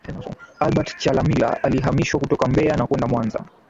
Albert Chalamila akihamishwa kutoka Mbeya na kwenda Mwanza